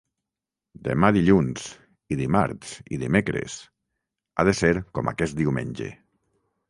Demà dilluns –i dimarts, i dimecres…– ha de ser com aquest diumenge.